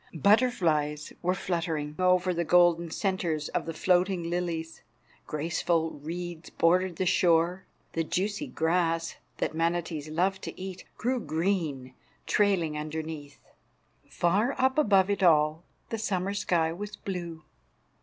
Butterflies were fluttering over the golden centres of the floating lilies. Graceful reeds bordered the shore. The juicy grass, that manatees love to eat, grew green, trailing underneath. Far up above it all the summer sky was blue.